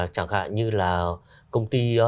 chẳng hạn như là công ty